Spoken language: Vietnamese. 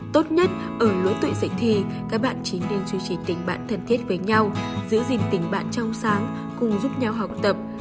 tốt nhất ở lứa tuổi dạy thì các bạn chỉ nên duy trì tình bạn thân thiết với nhau giữ gìn tình bạn trong sáng cùng giúp nhau học tập